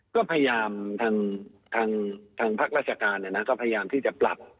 ก็พยายามทางภาคราชการก็พยายามที่จะปรับ